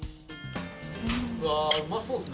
うわー、うまそうですね。